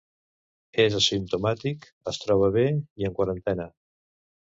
És asimptomàtic, es troba bé i en quarantena.